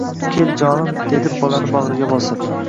Kel, jonim,— dedi bolani bag‘riga bosib.